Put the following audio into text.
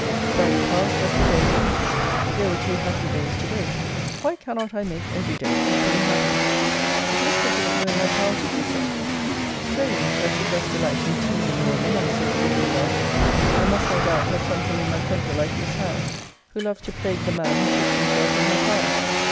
Friday passed as the day before. Here were two happy days to both. Why cannot I make every day equally happy? It looks as if it were in my power to do so. Strange, I should thus delight in teasing a woman I so dearly love! I must, I doubt, have something in my temper like Miss Howe, who loves to plague the man who puts himself in her power.